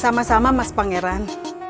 sama sama mas pangeran